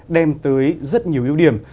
đem tới rất nhiều yếu điểm